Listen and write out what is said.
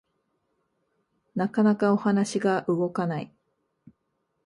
なかなかお話が動かない